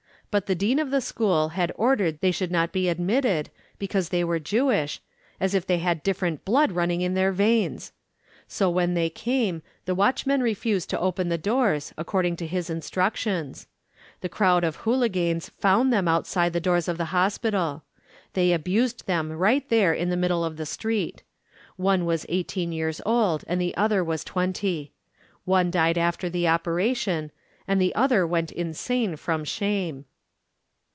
But the dean of the school had ordered they should not be admitted, because they were Jewish, as if they had different blood running in their veins. So when they came, the watchman refused to open the doors, according to his instructions. The crowd of Holiganes found them outside the doors of the hospital. They abused them right there in the middle of the street. One was eighteen years old and the other was twenty. One died after the operation and the other went insane from shame.